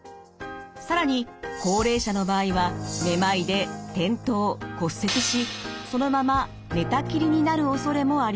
更に高齢者の場合はめまいで転倒・骨折しそのまま寝たきりになるおそれもあります。